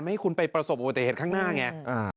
ให้คุณไปประสบอุบัติเหตุข้างหน้าไง